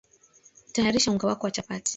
Tayarisha unga wako wa chapati